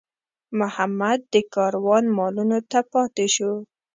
محمد د کاروان مالونو ته پاتې شو.